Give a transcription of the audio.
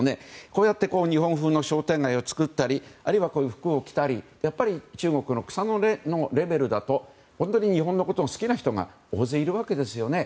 こうやって日本風の商店街を作ったりあるいはこういう服を着たり中国の草の根レベルだと本当に日本のことが好きな方が大勢いるわけですね。